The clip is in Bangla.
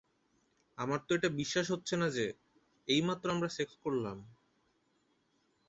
আমার তো এটা বিশ্বাস হচ্ছে না যে, এইমাত্র আমরা সেক্স করলাম।